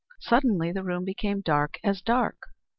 Suddenly the room became dark as dark.